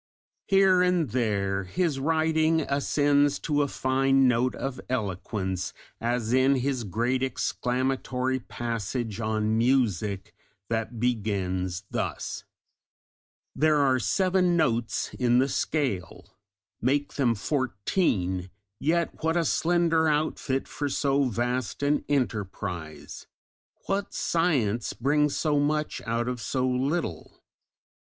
Here and there his writing ascends to a fine note of eloquence, as in his great exclamatory passage on music that begins thus: There are seven notes in the scale; make them fourteen: yet what a slender outfit for so vast an enterprise! What science brings so much out of so little?